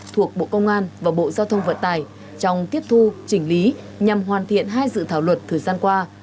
thuộc bộ công an và bộ giao thông vận tài trong tiếp thu chỉnh lý nhằm hoàn thiện hai dự thảo luật thời gian qua